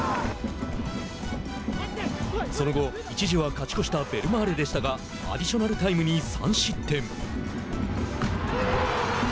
その後、一時は勝ち越したベルマーレでしたがアディショナルタイムに３失点。